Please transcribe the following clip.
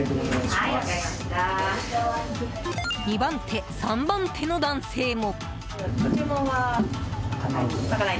２番手、３番手の男性も。